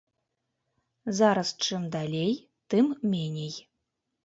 Зараз чым далей, тым меней.